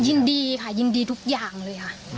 ยินดีค่ะยินดีทุกอย่างเลยค่ะ